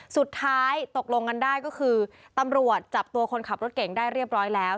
สุดท้ายตกลงกันได้ก็คือตำรวจจับตัวคนขับรถเก่งได้เรียบร้อยแล้ว